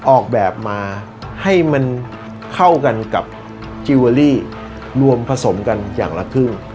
ออกแบบมาให้มันเข้ากันกับจิลเวอรี่รวมผสมกันอย่างละครึ่ง